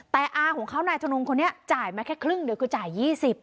แต่อาของเขานายทนงคนนี้จ่ายมาแค่ครึ่งเดียวคือจ่าย๒๐